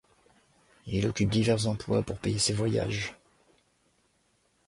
Il occupe divers emplois pour payer ses voyages.